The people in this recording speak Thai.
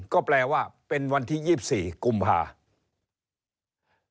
ก็แปลว่าเป็นวันที่๒๔กุมภาคม